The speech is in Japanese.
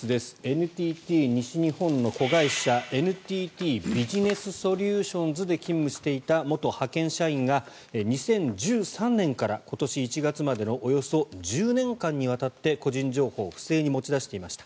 ＮＴＴ西日本の子会社のＮＴＴビジネスソリューションズで勤務していた元派遣社員が２０１３年から今年１月までのおよそ１０年間にわたって個人情報を不正に持ち出していました。